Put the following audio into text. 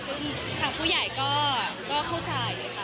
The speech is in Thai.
ซึ่งทางผู้ใหญ่ก็เข้าใจค่ะ